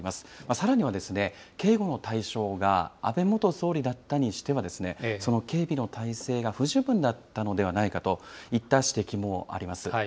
さらには、警護の対象が安倍元総理だったにしては、その警備の態勢が不十分だったのではないかといった指摘もあります。